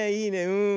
うん。